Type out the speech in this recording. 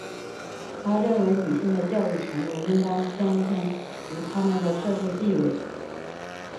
她认为女性的教育程度应当相称于她们的社会地位。